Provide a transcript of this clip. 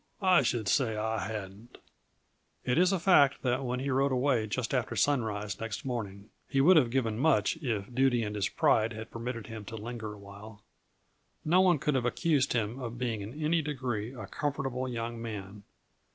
I should say I hadn't!" It is a fact that when he rode away just after sunrise next morning (he would have given much if duty and his pride had permitted him to linger a while) no one could have accused him of being in any degree a comfortable young man.